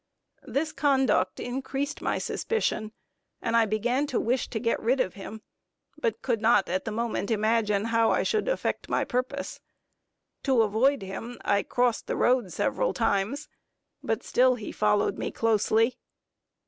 This conduct increased my suspicion, and I began to wish to get rid of him, but could not at the moment imagine how I should effect my purpose. To avoid him, I crossed the road several times; but still he followed me closely.